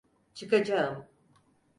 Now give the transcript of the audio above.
Çıkacağım.